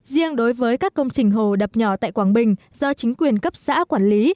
riêng đối với các công trình hồ đập nhỏ tại quảng bình do chính quyền cấp xã quản lý